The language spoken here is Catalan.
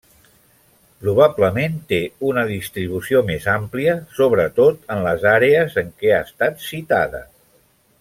Probablement té una distribució més àmplia, sobretot en les àrees en què ha estat citada.